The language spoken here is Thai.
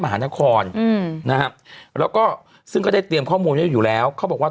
หานครอืมนะฮะแล้วก็ซึ่งก็ได้เตรียมข้อมูลเยอะอยู่แล้วเขาบอกว่า